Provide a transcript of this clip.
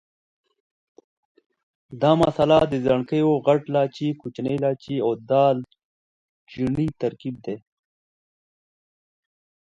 دا مساله د ځڼکیو، غټ لاچي، کوچني لاچي او دال چیني ترکیب دی.